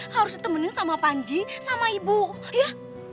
harus ditemenin sama panji sama ibu ya